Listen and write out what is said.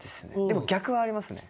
でも逆はありますね。